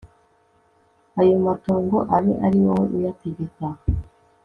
aya matongo abe ari wowe uyategeka